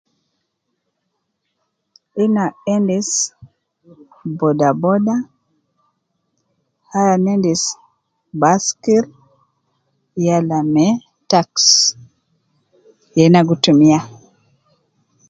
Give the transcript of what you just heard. Ina endis boda boda, ah ina endis baskil yala me taxi, ye na gi tumiya